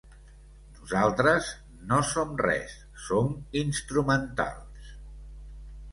Nosaltres no som res, som instrumentals.